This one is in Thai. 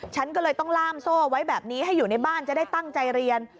ฉันก็เลยต้องล่ามโซ่ไว้แบบนี้ให้อยู่ในบ้านจะได้ตั้งใจเรียน